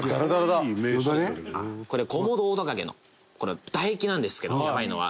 コモドオオトカゲのこれは唾液なんですけどヤバいのは。